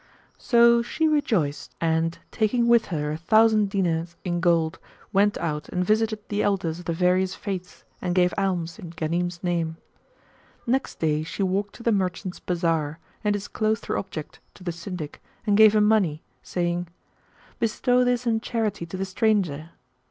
So she rejoiced and, taking with her a thousand dinars in gold, went out and visited the elders of the various faiths and gave alms in Ghanim's name.[FN#133] Next day she walked to the merchants' bazar and disclosed her object to the Syndic and gave him money, saying, "Bestow this in charity to the stranger!"